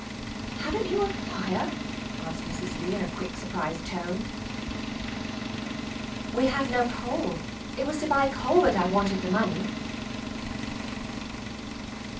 "Haven't you a fire?" asked Mrs. Lee, in a quick, surprised tone. "We have no coal. It was to buy coal that I wanted the money."